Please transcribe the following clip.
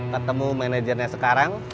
ketemu manajernya sekarang